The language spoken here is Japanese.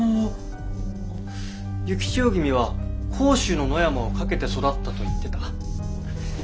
幸千代君は甲州の野山を駆けて育ったと言ってた。